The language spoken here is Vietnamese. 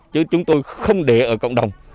chứ chúng tôi không để ở cộng đồng